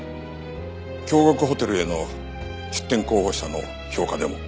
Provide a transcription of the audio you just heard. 京極ホテルへの出店候補者の評価でも。